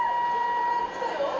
「来たよ！」